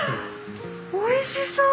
おいしそう！